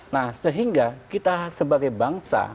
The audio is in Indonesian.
nah sehingga kita sebagai bangsa